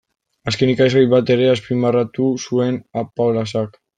Azken ikasgai bat ere azpimarratu zuen Apaolazak.